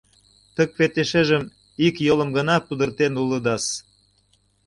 — Тык вет эшежым... ик йолым гына пудыртен улыдас.